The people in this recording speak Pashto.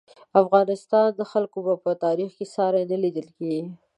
افغانستان خلکو یې په خپل تاریخ کې ساری نه و لیدلی.